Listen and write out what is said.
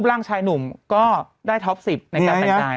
นางหนุ่มมองข้างหลังอีกแล้วเนี่ย